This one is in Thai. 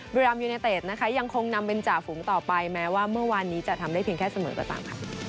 รามยูเนเต็ดนะคะยังคงนำเป็นจ่าฝูงต่อไปแม้ว่าเมื่อวานนี้จะทำได้เพียงแค่เสมอก็ตามค่ะ